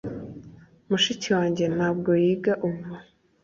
mushiki wanjye ntabwo yiga ubu